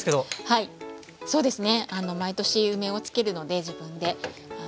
⁉はいそうですね。